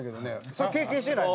それ経験してない。